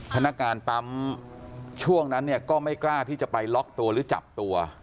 พนักงานปั๊มช่วงนั้นเนี่ยก็ไม่กล้าที่จะไปล็อกตัวหรือจับตัว